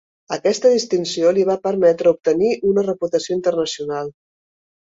Aquesta distinció li va permetre obtenir una reputació internacional.